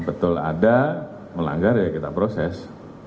betul ada melanggar ya kita proses